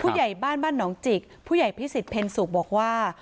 ผู้ใหญ่บ้านบ้านหนองจิกผู้ใหญ่พิสิทธิเพ็ญสุขบอกว่า